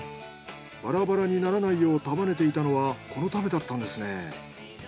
バラバラにならないよう束ねていたのはこのためだったんですね。